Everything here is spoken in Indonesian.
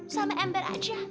sama ember aja